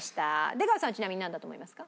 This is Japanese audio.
出川さんはちなみになんだと思いますか？